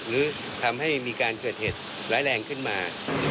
หรือทำให้มีการเกิดเหตุร้ายแรงขึ้นมา